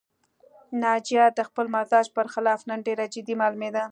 ناجیه د خپل مزاج پر خلاف نن ډېره جدي معلومېده